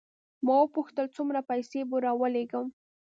ما وپوښتل څومره پیسې به راولېږم.